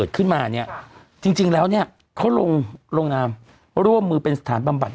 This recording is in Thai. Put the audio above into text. เกิดขึ้นมาเนี้ยจริงจริงแล้วเนี้ยเขาลงโรงนามร่วมมือเป็นสถานบัมบัติ